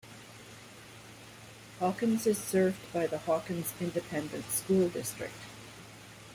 Hawkins is served by the Hawkins Independent School District.